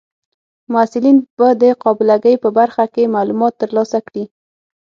محصلین به د قابله ګۍ په برخه کې معلومات ترلاسه کړي.